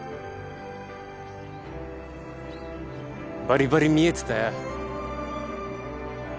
バリバリ見えてたよ。